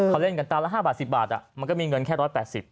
เขาเล่นกันตาละ๕บาท๑๐บาทมันก็มีเงินแค่๑๘๐บาท